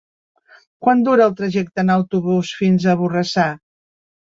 Quant dura el trajecte en autobús fins a Borrassà?